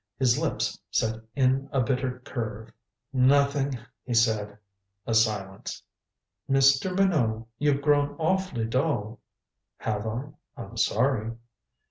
His lips set in a bitter curve. "Nothing," he said. A silence. "Mr. Minot you've grown awfully dull." "Have I? I'm sorry."